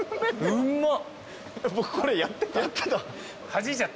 うまっ。